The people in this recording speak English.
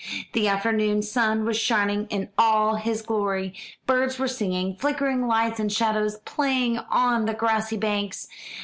The afternoon sun was shining in all his glory, birds were singing, flickering lights and shadows playing on the grassy banks.